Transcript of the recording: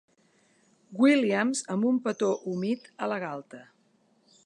Williams amb un petó humit a la galta.